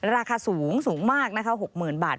ราคาสูงสูงมากนะคะ๖๐๐๐บาท